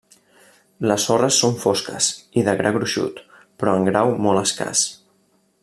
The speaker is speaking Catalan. Les sorres són fosques i de gra gruixut però en grau molt escàs.